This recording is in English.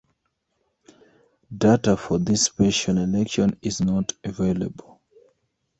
Data for this special election is not available.